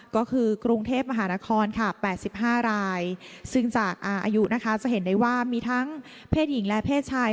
ก็คือกรุงเทพมหานครค่ะ๘๕รายซึ่งจากอายุนะคะจะเห็นได้ว่ามีทั้งเพศหญิงและเพศชาย